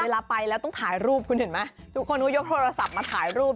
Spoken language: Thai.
เวลาไปแล้วต้องถ่ายรูปคุณเห็นไหมทุกคนก็ยกโทรศัพท์มาถ่ายรูป